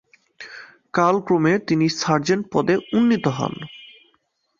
কালক্রমে তিনি 'সার্জেন্ট' পদে উন্নীত হন।